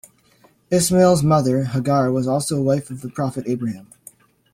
Ismail's mother, Hagar was also a wife of the prophet Abraham.